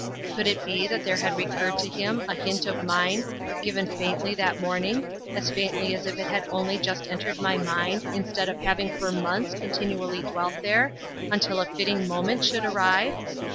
Could it be that there had recurred to him a hint of mine, given faintly that morning, as faintly as if it had only just entered my mind, instead of having for months continually dwelt there, until a fitting moment should arrive?